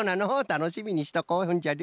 たのしみにしとこうそんじゃね。